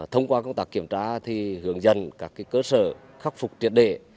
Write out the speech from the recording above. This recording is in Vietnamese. thông qua công tác kiểm tra thì hướng dẫn các cơ sở khắc phục triệt đề